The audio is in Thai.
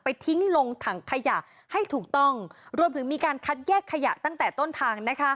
ทิ้งลงถังขยะให้ถูกต้องรวมถึงมีการคัดแยกขยะตั้งแต่ต้นทางนะคะ